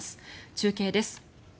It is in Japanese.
中継です。